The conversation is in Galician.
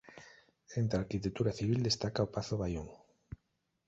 Entre a arquitectura civil destaca o Pazo Baión.